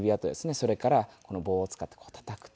それからこの棒を使ってこうたたくと。